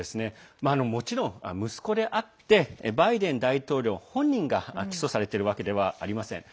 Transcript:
もちろん、息子であってバイデン大統領本人が起訴されてるわけではありません。